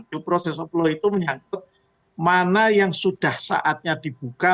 due process of law itu menyangkut mana yang sudah saatnya dibuka